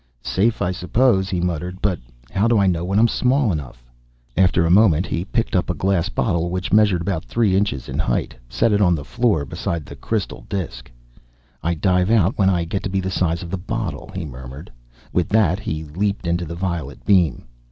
"Safe, I suppose," he muttered. "But how do I know when I'm small enough?" After a moment he picked up a glass bottle which measured about three inches in height, set it on the floor, beside the crystal disk. "I dive out when I get to be the size of the bottle," he murmured. With that, he leaped into the violet beam.